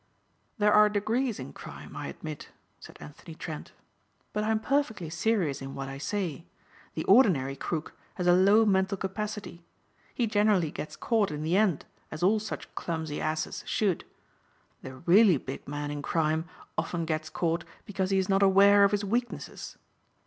"There are degrees in crime I admit," said Anthony Trent, "but I am perfectly serious in what I say. The ordinary crook has a low mental capacity. He generally gets caught in the end as all such clumsy asses should. The really big man in crime often gets caught because he is not aware of his weaknesses.